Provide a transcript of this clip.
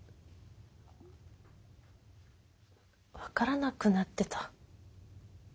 分からなくなってた。